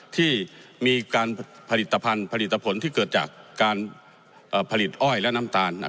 ที่มีการผลิตภัณฑ์ผลิตผลที่เกิดจากการผลิตอ้อยและน้ำตาล